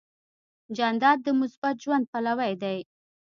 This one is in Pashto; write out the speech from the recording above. جانداد د مثبت ژوند پلوی دی.